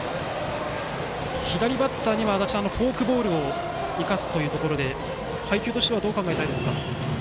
左バッターには足達さん、フォークボールを生かすというところで配球としてはどう考えたいですか。